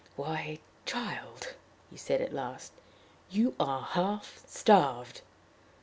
"Why, child!" he said at last, "you are half starved!"